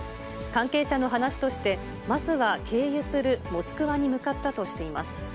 関係者の話として、まずは経由するモスクワに向かったとしています。